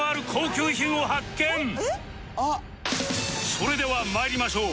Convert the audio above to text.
それでは参りましょう